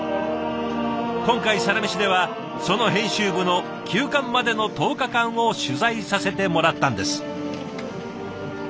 今回「サラメシ」ではその編集部の休刊までの１０日間を取材させてもらったんです。